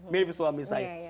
mirip suami saya